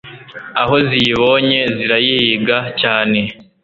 aho ziyibonye zirayihiga cyane